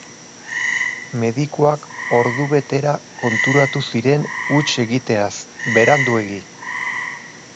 Medikuak ordubetera konturatu ziren huts egiteaz, beranduegi.